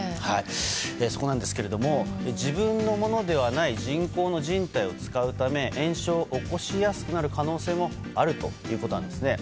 そこなんですが自分のものではない人工のじん帯を使うため炎症を起こしやすくなる可能性もあるということです。